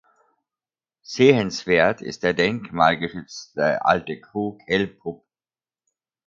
Sehenswert ist der denkmalgeschützte Alte Krug Helpup.